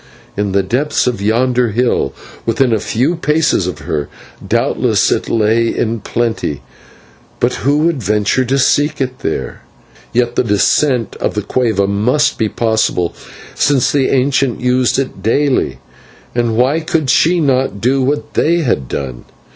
In the depths of yonder hill, within a few paces of her, doubtless it lay in plenty, but who would venture to seek it there? And yet the descent of the /cueva/ must be possible, since the ancients used it daily, and why could she not do what they had done?